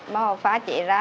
bò pha chế ra